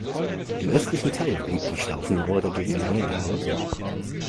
Im östlichen Teil blieb die Staufenmauer dagegen lange erhalten.